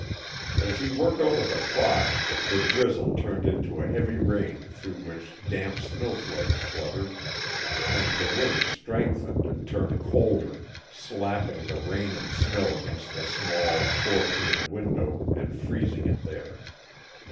As he worked over the clock the drizzle turned into a heavy rain through which damp snowflakes fluttered, and the wind strengthened and turned colder, slapping the rain and snow against the small, four paned window and freezing it there.